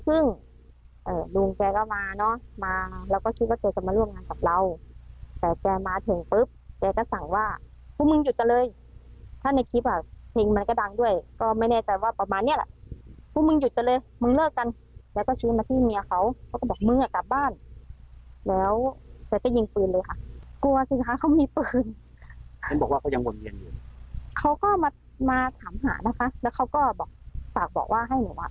อื้อลงบันทึกประจำมันดีกว่า